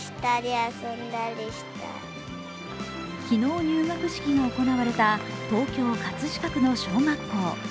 昨日入学式が行われた東京・葛飾区の小学校。